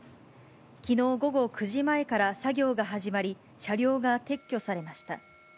きのう午後９時前から作業が始まり、車両が撤去されました。